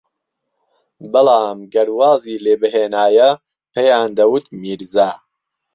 بەڵام گەر وازی لێبھێنایە پێیان دەوت میرزا